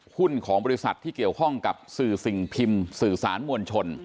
หุ้นของบริษัทที่เกี่ยวข้องกับสื่อสิ่งพิมพ์สื่อสารมวลชน